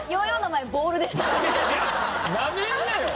なめんなよ！